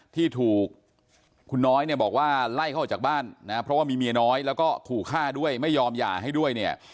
ที่ถูกคุณน้อยเนี่ยบอกว่าไล่เขาออกจากบ้านนะเพราะว่ามีเมียน้อยแล้วก็ขู่ฆ่าด้วยไม่ยอมหย่าให้ด้วยเนี่ย